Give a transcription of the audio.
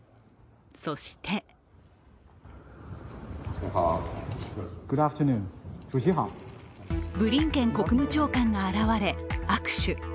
そして、ブリンケン国務長官が現れ握手。